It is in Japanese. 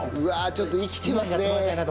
ちょっと生きてますね。